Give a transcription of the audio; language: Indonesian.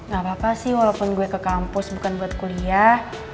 gapapa sih walaupun gue ke kampus bukan buat kuliah